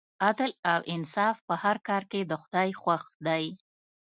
عدل او انصاف په هر کار کې د خدای خوښ دی.